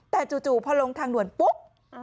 แต่จู่พอลงทางด่วนปุ๊บ